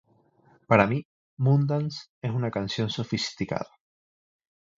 Para mí, "Moondance" es una canción sofisticada.